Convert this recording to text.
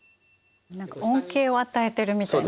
何か恩恵を与えているみたいな。